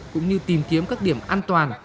cũng như tìm kiếm các điểm an toàn